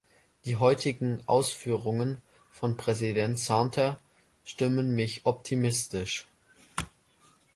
Die heutigen Ausführungen von Präsident Santer stimmen mich optimistisch.